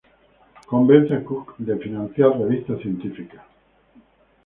Convence a Cook de financiar revistas científicas.